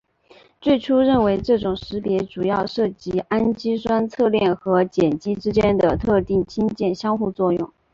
最初认为这种识别主要涉及氨基酸侧链和碱基之间的特定氢键相互作用。